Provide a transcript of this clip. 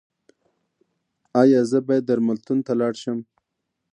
ایا زه باید درملتون ته لاړ شم؟